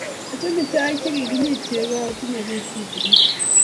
achame chaik che kikinyit chego aku tinye beek tutegen